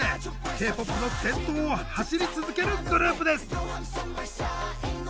Ｋ−ＰＯＰの先頭を走り続けるグループです。